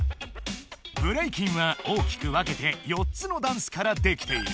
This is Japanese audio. ブレイキンは大きく分けて４つのダンスからできている。